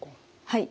はい。